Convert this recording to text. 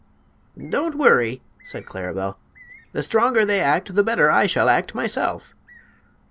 "Don't worry," said Claribel; "the stronger they act the better I shall act myself."